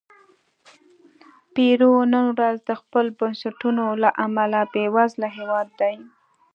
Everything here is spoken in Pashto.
پیرو نن ورځ د خپلو بنسټونو له امله بېوزله هېواد دی.